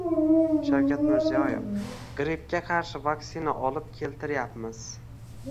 Shavkat Mirziyoyev: Grippga qarshi vaksina olib keltiryapmiz